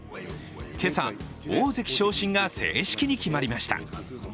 今朝、大関昇進が正式に決まりました。